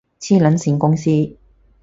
黐撚線公司